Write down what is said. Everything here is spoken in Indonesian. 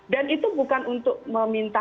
dan itu bukan untuk meminta